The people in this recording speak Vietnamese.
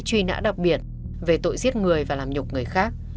truy nã đặc biệt về tội giết người và làm nhục người khác